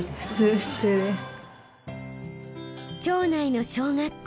町内の小学校。